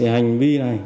hành vi này